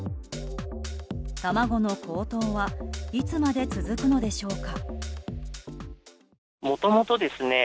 卵の高騰はいつまで続くのでしょうか？